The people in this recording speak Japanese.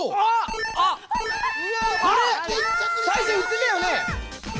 最初言ってたよね？